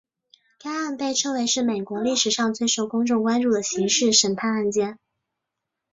该案被称为是美国历史上最受公众关注的刑事审判案件。